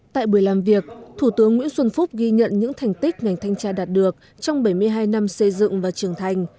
tại buổi làm việc thủ tướng nguyễn xuân phúc ghi nhận những thành tích ngành thanh tra đạt được trong bảy mươi hai năm xây dựng và trưởng thành